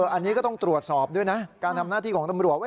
อันนี้ก็ต้องตรวจสอบด้วยนะการทำหน้าที่ของตำรวจ